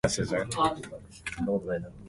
今、しぬよぉ